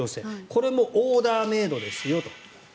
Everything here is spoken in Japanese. これもオーダーメイドですよと。